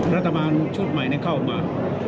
รัฐบาลชุดใหม่เข้ามา